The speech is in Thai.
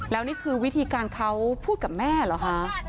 แล้วนี่คือวิธีการเขาพูดกับแม่เหรอคะ